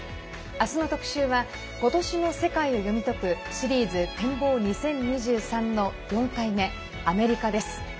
明日の特集は今年の世界を読み解くシリーズ展望２０２３の４回目アメリカです。